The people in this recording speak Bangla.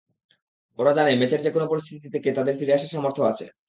ওরা জানে, ম্যাচের যেকোনো পরিস্থিতি থেকে তাদের ফিরে আসার সামর্থ্য আছে।